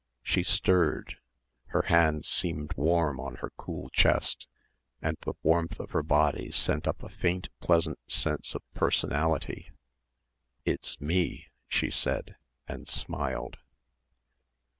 She stirred; her hands seemed warm on her cool chest and the warmth of her body sent up a faint pleasant sense of personality. "It's me," she said, and smiled.